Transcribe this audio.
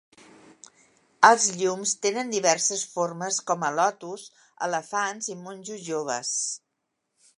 Els llums tenen diverses formes com a lotus, elefants i monjos joves.